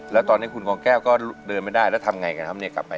แล้วตอนนี้คุณของแก้วก็เดินไม่ได้แล้วทำอย่างไรกันครับกลับไป